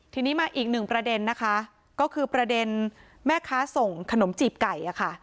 ทีนี้มาอีกหนึ่งประเด็นนะคะก็คือประเด็นแม่ค้าส่งขนมจีบไก่อะค่ะ